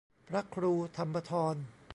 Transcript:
พระครูธรรมธร